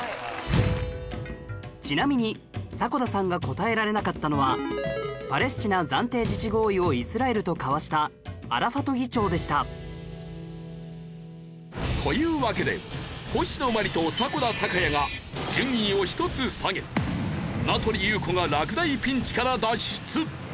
ちなみに迫田さんが答えられなかったのはパレスチナ暫定自治合意をイスラエルと交わしたアラファト議長でしたというわけで星野真里と迫田孝也が順位を１つ下げ名取裕子が落第ピンチから脱出。